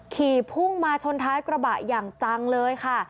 ขี่พุ่งมาชนท้ายกระบะอย่างจังเลยค่ะ